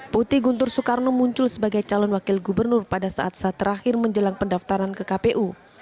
putih guntur soekarno muncul sebagai calon wakil gubernur pada saat saat terakhir menjelang pendaftaran ke kpu